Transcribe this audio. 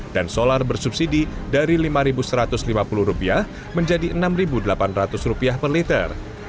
dan solar bersubsidi dari rp lima satu ratus lima puluh menjadi rp enam delapan ratus per liter